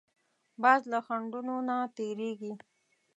باز له خنډونو نه تېرېږي